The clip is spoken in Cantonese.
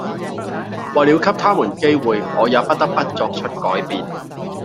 為了給他們機會、我也不得不作出改變！